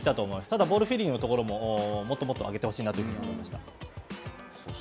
ただ、ボールのところも、もっともっと上げてほしいなと思いまし